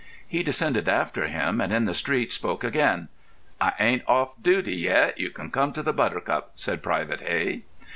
He descended after him, and in the street spoke again. "I ain't off duty yet; you can come to the Buttercup," said Private Hey.